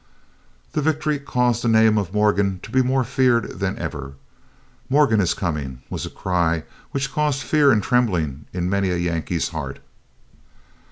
This victory caused the name of Morgan to be more feared than ever. "Morgan is coming!" was a cry which caused fear and trembling in many a Yankee's heart.